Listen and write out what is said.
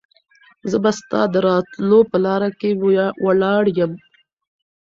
زه به ستا د راتلو په لاره کې ولاړ یم.